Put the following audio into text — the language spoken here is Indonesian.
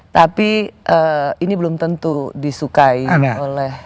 tapi ini belum tentu disukai oleh